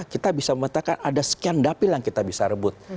kita bisa memetakan ada sekian dapil yang kita bisa rebut